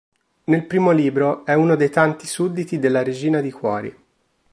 Nel primo libro è uno dei tanti sudditi della Regina di cuori.